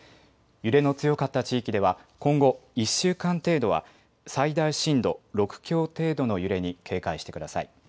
揺れの強かった地域では今後、１週間程度は最大震度６強程度の揺れに警戒してください。